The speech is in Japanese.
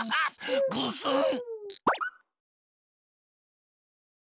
ぐすん！